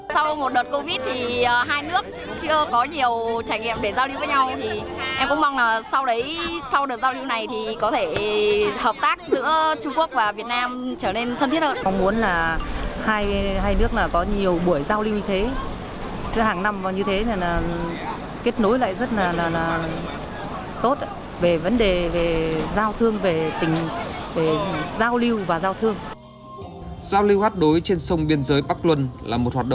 sau một đợt covid thì hai nước chưa có nhiều trải nghiệm để giao lưu với nhau